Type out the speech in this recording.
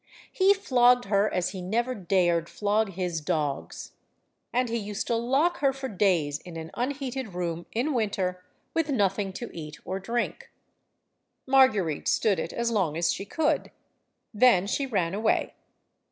He flogged her as he never dared flog his dogs. And he used to lock her for days in an unheated room, in winter, with nothing to eat or drink. Marguerite stood it as long as she could. Then she ran away.